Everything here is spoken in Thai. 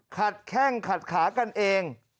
แข้งขัดขากันเอง